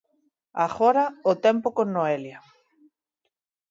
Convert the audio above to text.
Agora, o tempo con Noelia.